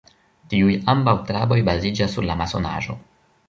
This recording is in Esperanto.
Tiuj ambaŭ traboj baziĝas sur la masonaĵo.